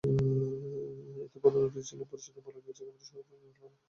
এতে প্রধান অতিথি ছিলেন পরিষদের মৌলভীবাজার জেলা কমিটির সভাপতি মাখন লাল দাশ।